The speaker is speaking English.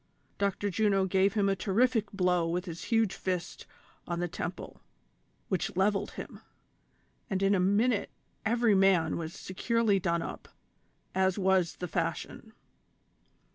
Dr. Juno gave him a terrific blow with his huge fist on the temple, which levelled Mm, and in a minute every man was securely done up, as was the fashion.